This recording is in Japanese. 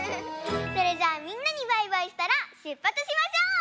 それじゃあみんなにバイバイしたらしゅっぱつしましょう！